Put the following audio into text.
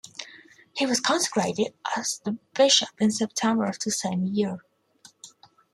He was consecrated as a bishop in September of the same year.